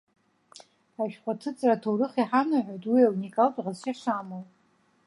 Ашәҟәы аҭыҵра аҭоурых иҳанаҳәоит уи ауникалтә ҟазшьа шамоу.